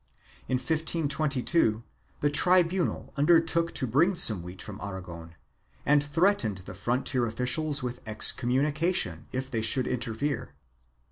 In 1522 the tribunal under took to bring some wheat from Aragon and threatened the frontier officials with excommunication if they should interfere.